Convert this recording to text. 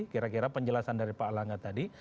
kira kira penjelasan dari pak elangga tadi